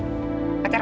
terima kasih tante